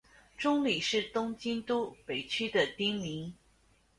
中里是东京都北区的町名。